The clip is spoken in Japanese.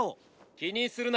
気にするな。